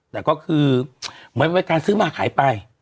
แต่ก็คือเหมือนการซื้อมาขายไป